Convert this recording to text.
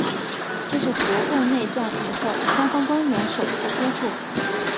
这是国共内战以后双方官员首次接触。